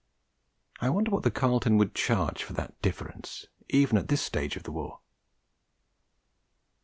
I wonder what the Carlton could charge for that difference, even at this stage of the war!